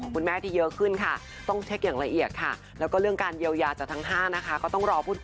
คือเข้าใจนะเขาเป็นทางลาด